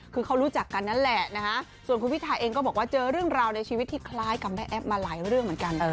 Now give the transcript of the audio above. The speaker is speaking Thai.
คือเขารู้จักกันนั่นแหละนะฮะส่วนคุณพิทาเองก็บอกว่าเจอเรื่องราวในชีวิตที่คล้ายกับแม่แอ๊บมาหลายเรื่องเหมือนกัน